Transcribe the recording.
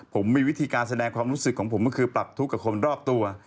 ผมมีวิธีการแสดงความรู้สึกของผมก็คือปรับทุกข์กับคนรอบตัว